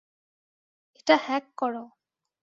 এটা হ্যাক কর।